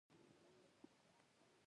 لږ شېبه وروسته راغی.